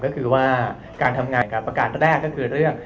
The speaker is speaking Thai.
การทำงานประกาศแรกคือ